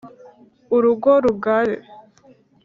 urugo rugare